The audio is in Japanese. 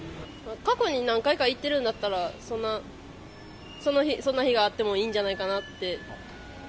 過去に何回か行ってるんだったら、そんな日があってもいいんじゃないかなって。